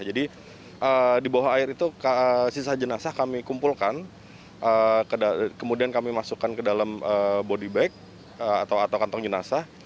jadi di bawah air itu sisa jenazah kami kumpulkan kemudian kami masukkan ke dalam body bag atau kantong jenazah